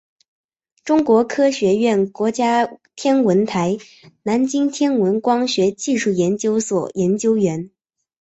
中国科学院国家天文台南京天文光学技术研究所研究员。